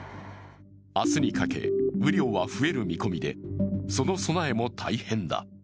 明日にかけ雨量は増える見込みでその備えも大変だ。